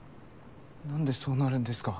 なんでそうなるんですか。